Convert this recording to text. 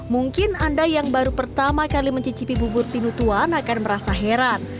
mungkin anda yang baru pertama kali mencicipi bubur tinutuan akan merasa heran